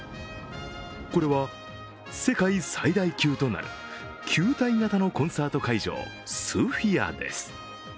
これは世界最大級となる球体型のコンサート会場、スフィアです。